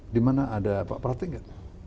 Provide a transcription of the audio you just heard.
di mana ada pak pratik nggak